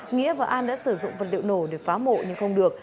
nghĩa và an đã sử dụng vật liệu nổ để phá mổ nhưng không được